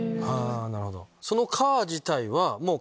なるほど。